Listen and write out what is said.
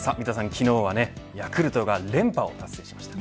昨日はヤクルトが連覇を達成しました。